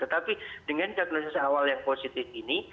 tetapi dengan diagnosis awal yang positif ini